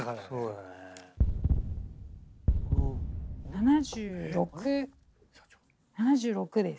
７６。７６です。